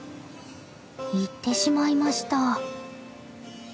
行ってしまいました。